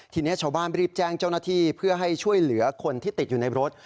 ทีนี้ชาวบ้านรีบแจ้งเจ้าหน้าที่เพื่อให้ช่วยเหลือคนที่ติดอยู่ในรถ